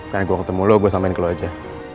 kan gue ketemu lo gue sampein ke lo aja